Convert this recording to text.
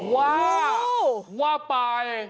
ว่าว่าปลาย